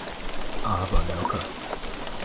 Aber locker!